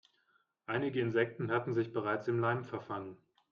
Einige Insekten hatten sich bereits im Leim verfangen.